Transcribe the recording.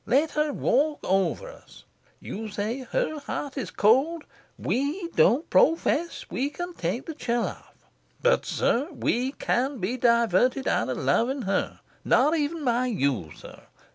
Let her walk over us. You say her heart is cold. We don't pro fess we can take the chill off. But, Sir, we can't be diverted out of loving her not even by you, Sir.